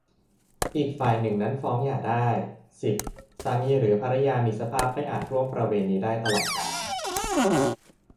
อีกฝ่ายหนึ่งนั้นฟ้องหย่าได้ สิบ สามีหรือภริยามีสภาพไม่อาจร่วมประเวณีได้ตลอดกาล